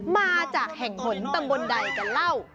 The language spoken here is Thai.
มาจากแห่งหนตำบลใดกันแล้ว